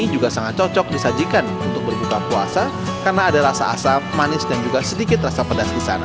ini juga sangat cocok disajikan untuk berbuka puasa karena ada rasa asam manis dan juga sedikit rasa pedas di sana